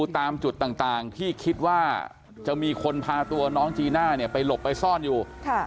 ตามจุดต่างที่คิดว่าจะมีคนพาตัวน้องจีน่าไปหลบไปซ่อนอยู่